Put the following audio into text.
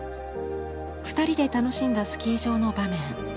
２人で楽しんだスキー場の場面。